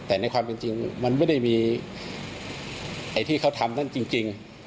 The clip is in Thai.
แต่ในความเป็นจริงมันไม่ได้มีไอ้ที่เขาทำนั่นจริง